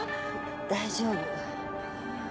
大丈夫